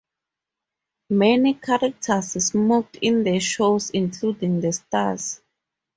Many characters smoked in the shows, including the stars.